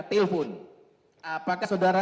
telepon apakah saudara